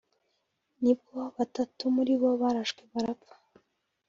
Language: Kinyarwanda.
nibwo batatu muri bo barashwe barapfa